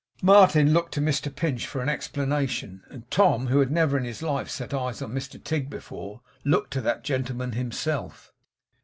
Martin looked to Mr Pinch for an explanation; and Tom, who had never in his life set eyes on Mr Tigg before, looked to that gentleman himself.